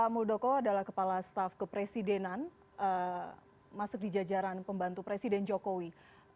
muldoko adalah kepala staff kepresidenan masuk di jajaran pembantu presiden jokowi